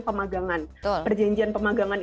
pemagangan perjanjian pemagangan